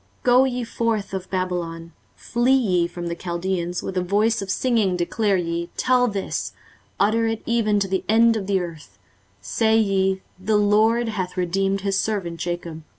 23:048:020 Go ye forth of Babylon, flee ye from the Chaldeans, with a voice of singing declare ye, tell this, utter it even to the end of the earth; say ye, The LORD hath redeemed his servant Jacob.